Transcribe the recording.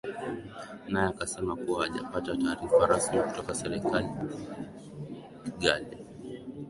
naye akasema kuwa hajapata taarifa rasmi kutoka serikali ya kigali